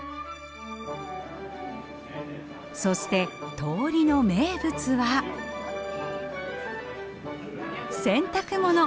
そして通りの名物は洗濯物。